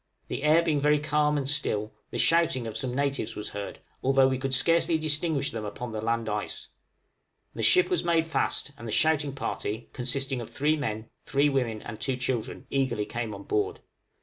The air being very calm, and still, the shouting of some natives was heard, although we could scarcely distinguish them upon the land ice. The ship was made fast, and the shouting party, consisting of three men, three women, and two children, eagerly came on board.